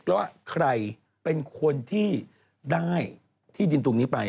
ว่าใครเป็นคนที่ได้ที่ดินตรงนี้ไป